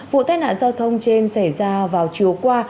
vụ tai nạn giao thông trên xảy ra vào chiều qua